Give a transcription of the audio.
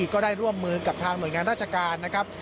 ก็ได้ร่วมมือกับทางหน่วยงานราชการนะครับ